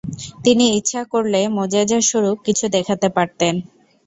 তিনি ইচ্ছা করলে মোজেযাস্বরূপ কিছু দেখাতে পারতেন।